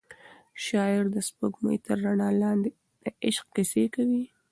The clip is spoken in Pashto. شاعر د سپوږمۍ تر رڼا لاندې د عشق کیسې کوي.